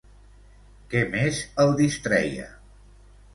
Què més el distreia?